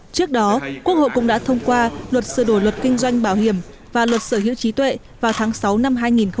trước đó quốc hội cũng đã thông qua luật sửa đổi luật kinh doanh bảo hiểm và luật sở hữu trí tuệ vào tháng sáu năm hai nghìn một mươi